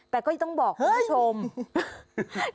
แต่ก็ยังต้องบอกคุณผู้ชมเฮ้ย